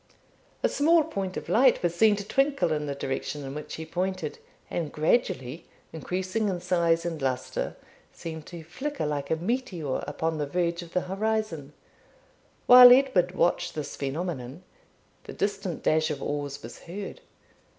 A small point of light was seen to twinkle in the direction in which he pointed, and, gradually increasing in size and lustre, seemed to flicker like a meteor upon the verge of the horizon. While Edward watched this phenomenon, the distant dash of oars was heard.